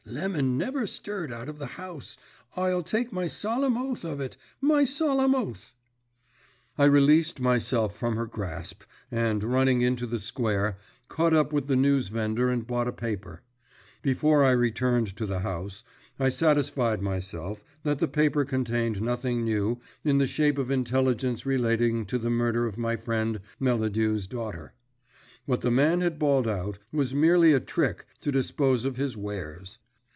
"Lemon never stirred out of the house. I'll take my solemn oath of it my solemn oath." I released myself from her grasp, and, running into the square, caught up with the newsvendor and bought a paper. Before I returned to the house I satisfied myself that the paper contained nothing new in the shape of intelligence relating to the murder of my friend Melladew's daughter. What the man had bawled out was merely a trick to dispose of his wares.